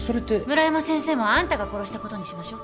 村山先生もあんたが殺したことにしましょう。